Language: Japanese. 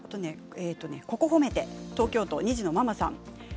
ここ褒めて、東京都の方です。